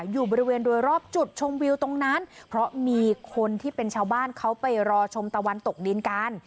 อยู่บริเวณโดยรอบจุดชมวิวตรงนั้นเพราะมีคนที่เป็นชาวบ้านเขาไปรอชมตะวันตกดินกัน